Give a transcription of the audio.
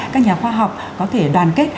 các nhà khoa học có thể đoàn kết